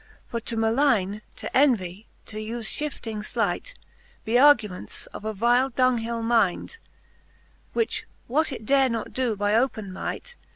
For to maligne, t' en vie, t'ufe fhifting flight, Be arguments of a vile donghill mind, Which what it dare not do by open might.